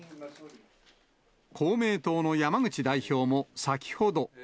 公明党の山口代表も先ほど。